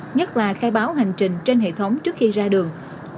nhất là khai báo hành trình trên hệ thống trước khi ra đường